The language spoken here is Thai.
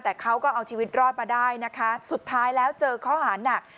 แต่เขาก็เอาชีวิตรอดมาได้นะคะสุดท้ายแล้วเจอข้อหานัก